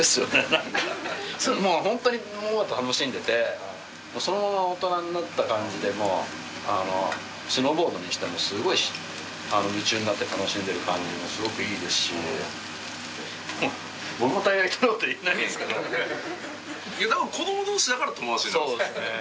何かホントにもう楽しんでてそのまま大人になった感じでスノーボードにしてもすごい夢中になって楽しんでる感じもすごくいいですしまぁ僕も大概人のこと言えないんですけどだから子ども同士だから友達にそうですね